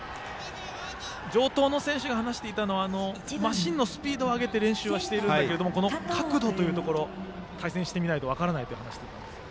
城東の選手が話していたのはマシンのスピードを上げて練習しているんだけども角度というところ対戦してみないと分からないと話していました。